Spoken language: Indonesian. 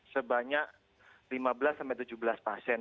sebanyak lima belas tujuh belas pasien